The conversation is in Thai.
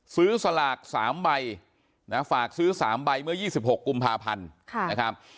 สลาก๓ใบฝากซื้อ๓ใบเมื่อ๒๖กุมภาพันธ์นะครับ